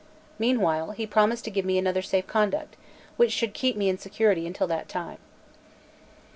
Meanwhile he promised to give me another safe conduct, which should keep me in security until that time.